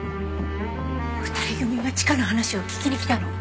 ２人組がチカの話を聞きに来たの。